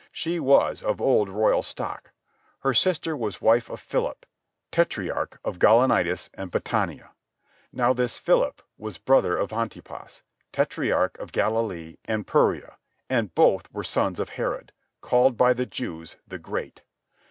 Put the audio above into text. She was of old royal stock. Her sister was wife of Philip, tetrarch of Gaulonitis and Batanæa. Now this Philip was brother to Antipas, tetrarch of Galilee and Peræa, and both were sons of Herod, called by the Jews the "Great."